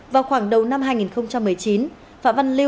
vào khoảng đầu năm hai nghìn một mươi chín